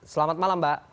selamat malam mbak